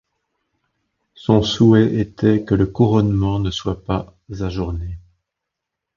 Son souhait était que le couronnement ne soit pas ajourné.